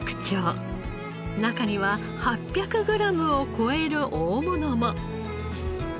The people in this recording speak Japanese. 中には８００グラムを超える大物も。